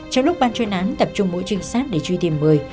trong lúc ban chuyên án tập trung mỗi truyền sát để truy tìm mười